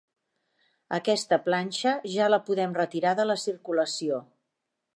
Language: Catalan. Aquesta planxa, ja la podem retirar de la circulació.